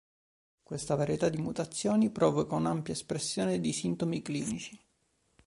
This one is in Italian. Questa varietà di mutazioni provoca un'ampia espressione di sintomi clinici.